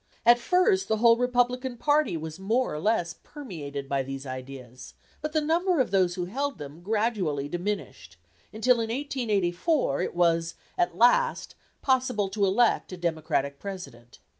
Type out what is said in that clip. At first the whole Republican party was more or less permeated by these ideas; but the number of those who held them gradually diminished, until in 1884 it was at last possible to elect a Democratic President.